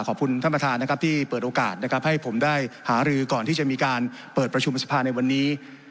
ขอบคุณท่านประธานนะครับที่เปิดโอกาสนะครับให้ผมได้หารือก่อนที่จะมีการเปิดประชุมสภาในวันนี้